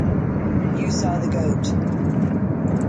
You saw the goat.